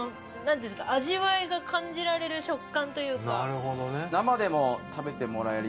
味わいが感じられる食感というか。